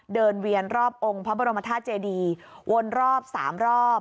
เวียนรอบองค์พระบรมธาตุเจดีวนรอบ๓รอบ